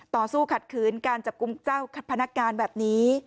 ต่อสู้ขัดขืนการจับกลุ่มเจ้าพนักงานแบบนี้